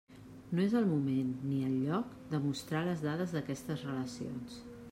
No és el moment, ni el lloc, de mostrar les dades d'aquestes relacions.